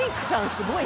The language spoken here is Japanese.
すごい。